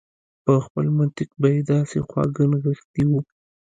په خپل منطق به يې داسې خواږه نغښتي و.